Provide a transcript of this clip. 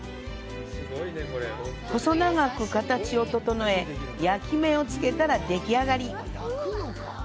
細長く形を整え、焼き目をつけたらでき上がり。